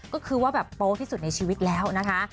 ก็คือว่าแบบโป๊ที่สุดในชีวิตแล้วนะคะ